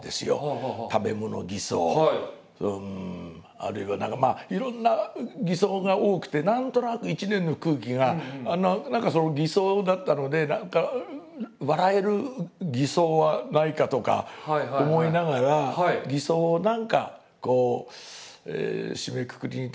あるいは何かまあいろんな偽装が多くて何となく１年の空気が何かその偽装だったので何か笑える偽装はないかとか思いながら偽装を何か締めくくりにと思ってそのときに思いついて。